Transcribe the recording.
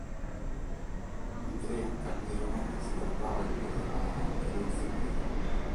I tre capirono che si trattava del talismano e lo inseguirono.